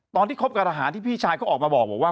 คบกับทหารที่พี่ชายเขาออกมาบอกว่า